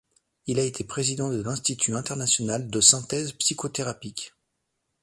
Il a été président de l'Institut International de Synthèses psychothérapiques.